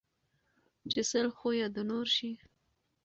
ـ چې سل خويه د نور شي